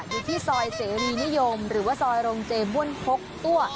อยู่ที่ซอยเสรีนิยมหรือว่าซอยโรงเจบ้วนพกตัว